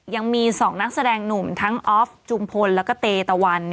ยังมี๒นักแสดงหนุ่มทั้งออฟจุมพลแล้วก็เตตะวัน